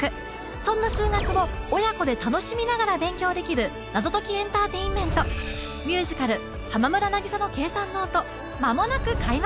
そんな数学を親子で楽しみながら勉強できる謎解きエンターテインメントミュージカル「浜村渚の計算ノート」間もなく開幕